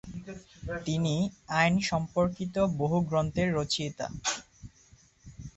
তিনি আইন সম্পর্কিত বহু গ্রন্থের রচয়িতা।